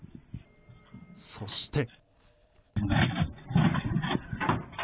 そして。